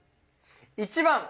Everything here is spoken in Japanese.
１番！